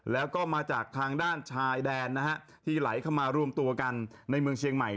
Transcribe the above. แล้วก็มาจากทางด้านชายแดนนะฮะที่ไหลเข้ามารวมตัวกันในเมืองเชียงใหม่